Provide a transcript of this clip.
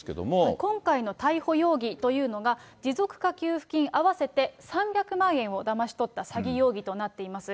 今回の逮捕容疑というのが、持続化給付金合わせて３００万円をだまし取った詐欺容疑となっています。